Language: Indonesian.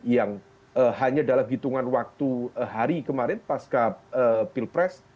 yang hanya dalam hitungan waktu hari kemarin pasca pilpres